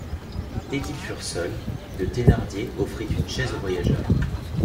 Dès qu’ils furent seuls, le Thénardier offrit une chaise au voyageur.